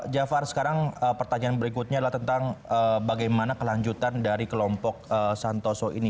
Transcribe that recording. jafar sekarang pertanyaan berikutnya adalah tentang bagaimana kelanjutan dari kelompok santoso ini